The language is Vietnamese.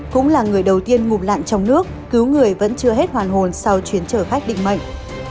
cũng là người đầu tiên ngụm lạn trong nước cứu người vẫn chưa hết hoàn hồn sau chuyến chở khách định mệnh